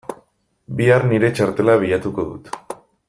Bihar nire txartela bilatuko dut.